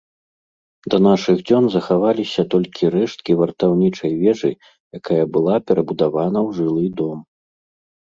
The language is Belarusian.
Да нашых дзён захаваліся толькі рэшткі вартаўнічай вежы, якая была перабудавана ў жылы дом.